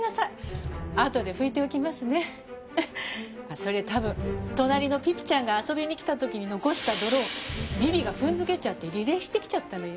それ多分隣のピピちゃんが遊びに来た時に残した泥をビビが踏んづけちゃってリレーしてきちゃったのよ。